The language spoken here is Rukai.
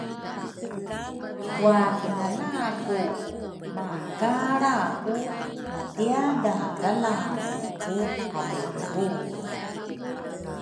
Wathingala ku makalra ku matiadadalame ku abuubulru